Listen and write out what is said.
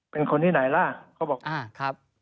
เป็นคนที่ไหนล่ะ